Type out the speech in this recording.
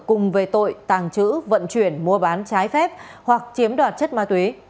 cùng về tội tàng trữ vận chuyển mua bán trái phép hoặc chiếm đoạt chất ma túy